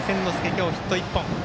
今日、ヒット１本。